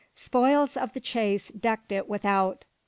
Spoils of the chase decked it without.